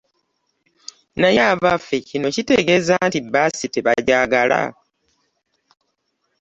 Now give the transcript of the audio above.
Naye abaffe kino kitegeeza nti bbaasi tebagyagala